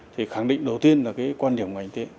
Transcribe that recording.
thì khẳng định đầu tiên là quan điểm ngành y tế